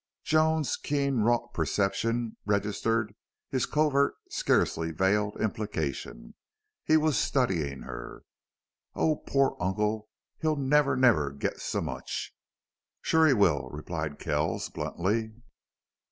Joan's keen wrought perception registered his covert, scarcely veiled implication. He was studying her. "Oh, poor uncle. He'll never, never get so much." "Sure he will," replied Kells, bluntly.